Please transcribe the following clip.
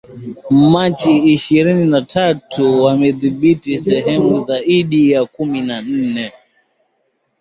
Machi ishirini na tatu wamedhibithi sehemu zaidi ya kumi na nne